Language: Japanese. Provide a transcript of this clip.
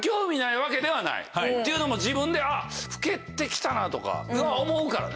っていうのも自分で老けて来たなとか思うからね。